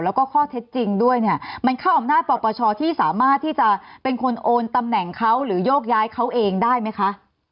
แล้วก็ข้อเท็จจริงด้วยเนี่ยมันเข้าอำนาจปปชที่สามารถที่จะเป็นคนโอนตำแหน่งเขาหรือโยกย้ายเขาเองได้ไหมคะ